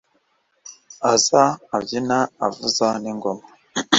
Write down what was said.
aza abyina avuza n'ingoma